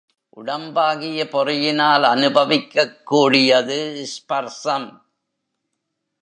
உடம்பாகிய பொறியினால் அநுபவிக்கக் கூடியது ஸ்பர்சம்.